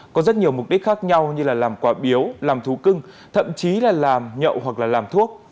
có rất nhiều mục đích khác nhau như là làm quả biếu làm thú cưng thậm chí là làm nhậu hoặc là làm thuốc